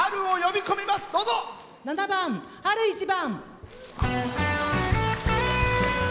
７番「春一番」。